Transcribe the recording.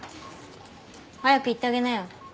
早く行ってあげなよ